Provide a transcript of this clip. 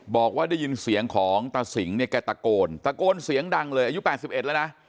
บอกว่าได้ยินเสียงของตาสิงเนี่ยแกตะโกนตะโกนเสียงดังเลยอายุ๘๑แล้วนะ